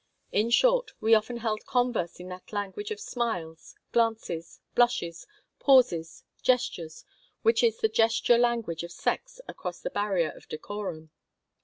In short, we often held converse in that language of smiles, glances, blushes, pauses, gestures, which is the gesture language of sex across the barrier of decorum.